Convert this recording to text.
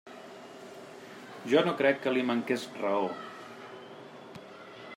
Jo no crec que li manqués raó.